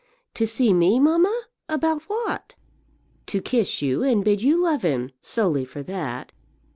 "To see me, mamma? About what?" "To kiss you, and bid you love him; solely for that.